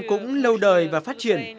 cũng lâu đời và phát triển